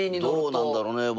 どうなんだろうね？